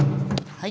はい。